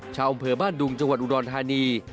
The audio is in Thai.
ชาวอำเภอบ้านดุงจังหวัดอุดรธานี